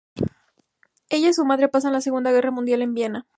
Ella y su madre pasan la Segunda guerra mundial en Viena.